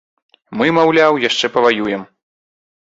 Мы, маўляў, яшчэ паваюем.